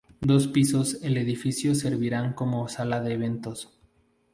Dos pisos el edificio servirán como sala de eventos.